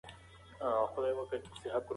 که رسامي وي نو ماشوم نه خفه کیږي.